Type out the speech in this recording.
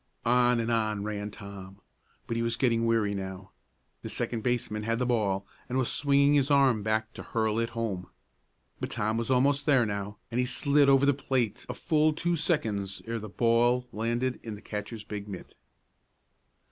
On and on ran Tom, but he was getting weary now. The second baseman had the ball and was swinging his arm back to hurl it home. But Tom was almost there now, and he slid over the plate a full two seconds ere the ball landed in the catcher's big mitt.